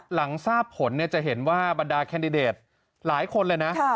หลังทราบผลจะเห็นว่าบรรดาแคนดิเดตหลายคนเลยนะ